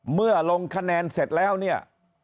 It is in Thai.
๓เมื่อลงคะแนนเสร็จแล้วเนี่ย